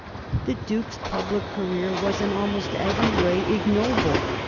The Duke's public career was in almost every way ignoble.